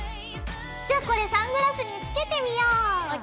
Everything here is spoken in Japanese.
じゃあこれサングラスにつけてみよう！ＯＫ。